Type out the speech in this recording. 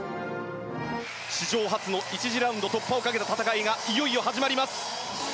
史上初の１次ラウンド突破をかけた戦いがいよいよ始まります。